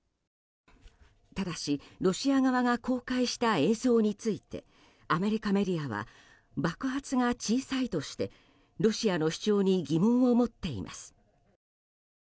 ただし、ロシア側が公開した映像についてアメリカメディアは爆発が小さいとしてロシアの主張に疑問を持っています。